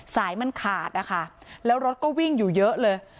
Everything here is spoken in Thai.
สายมันขาดนะคะแล้วรถก็วิ่งอยู่เยอะเลย